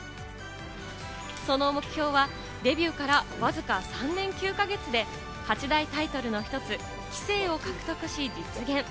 その目標はデビューからわずか３年９か月で、八大タイトルの１つ棋聖を獲得し、実現。